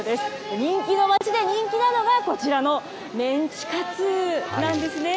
人気の街で人気なのが、こちらのメンチカツなんですね。